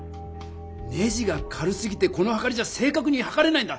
ネジが軽すぎてこのはかりじゃ正かくにはかれないんだ！